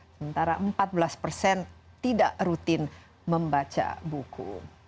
sementara empat belas persen tidak rutin membaca buku